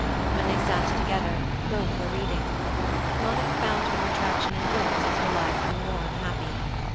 When they sat together, both were reading. Monica found more attraction in books as her life grew more unhappy.